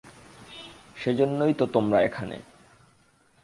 সেজন্যই তো তোমরা এখানে।